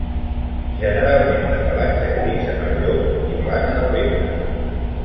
Generalment, de pelatge gris en el llom i blanc en el ventre.